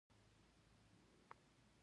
ډېر ژر په مخورو کې وشمېرل شو په پښتو ژبه.